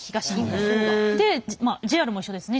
ＪＲも一緒ですね